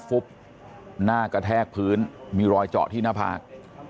ฟุบหน้ากระแทกพื้นมีรอยเจาะที่หน้าผาก